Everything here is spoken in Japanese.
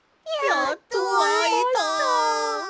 やっとあえました！